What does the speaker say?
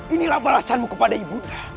inilah balasanmu kepada ibunda